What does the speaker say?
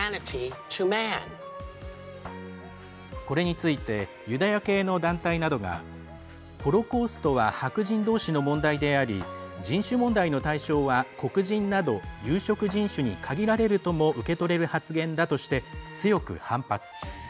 これについてユダヤ系の団体などがホロコーストは白人どうしの問題であり人種問題の対象は黒人など有色人種に限られるとも受け取れる発言だとして強く反発。